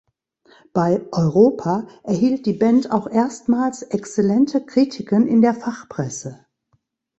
Bei "Europa" erhielt die Band auch erstmals exzellente Kritiken in der Fachpresse.